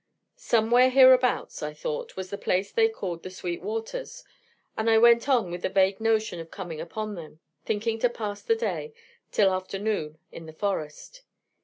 Somewhere hereabouts, I thought, was the place they called 'The Sweet Waters,' and I went on with the vague notion of coming upon them, thinking to pass the day, till afternoon, in the forest.